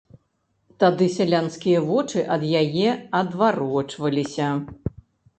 Тады сялянскія вочы ад яе адварочваліся.